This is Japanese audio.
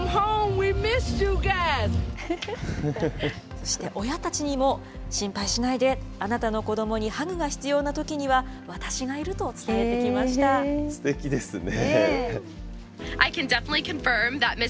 そして親たちにも、心配しないで、あなたの子どもにハグが必要なときには、私がいると伝えてきましすてきですね。